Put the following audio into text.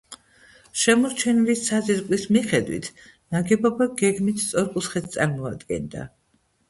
შემორჩენილი საძირკვლის მიხედვით, ნაგებობა გეგმით სწორკუთხედს წარმოადგენდა.